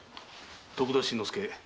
徳田新之助